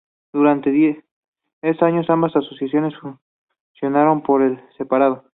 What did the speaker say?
Durante diez años, ambas asociaciones funcionaron por separado.